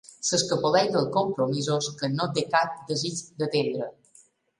S'escapoleix dels compromisos que no té cap desig d'atendre.